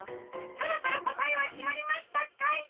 そろそろこたえはきまりましたかい？